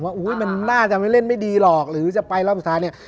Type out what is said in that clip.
ว่ามันน่าจะเล่นไม่ดีหรอกหรือจะไปรอบสุดท้าย